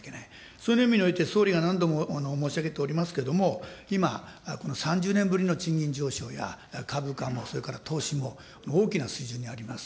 その意味において、総理が何度も申し上げておりますけども、今、この３０年ぶりの賃金上昇や、株価も、それから投資も大きな水準にあります。